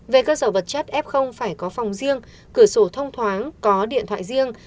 về cơ sở vật chất f phải có phòng riêng cửa sổ thông thoáng có điện thoại riêng